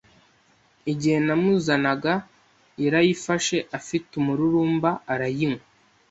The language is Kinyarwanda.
Igihe namuzanaga, yarayifashe afite umururumba arayinywa.